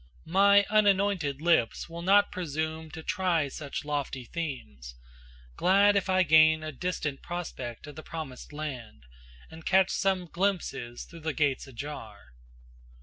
My unanointed lips will not presume To try such lofty themes, glad if I gain A distant prospect of the promised land, And catch some glimpses through the gates ajar.